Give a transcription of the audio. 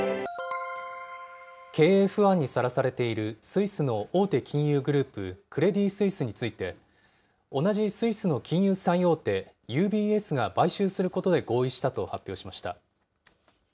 経営不安にさらされているスイスの大手金融グループ、クレディ・スイスについて、同じスイスの金融最大手、ＵＢＳが買収することで合意したと発表しました。